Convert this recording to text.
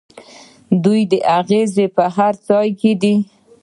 د دوی اغیز په هر ځای کې دی.